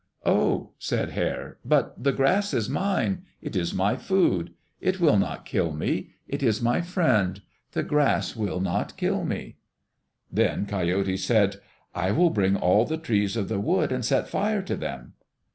"Oh," said Hare, "but the grass is mine. It is my food; it will not kill me. It is my friend. The grass will not kill me." "Then," said Coyote, "I will bring all the trees of the wood and set fire to them."